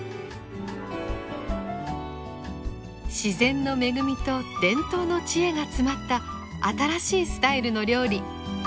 自然の恵みと伝統の知恵が詰まった新しいスタイルの料理。